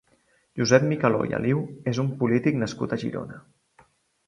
Josep Micaló i Aliu és un polític nascut a Girona.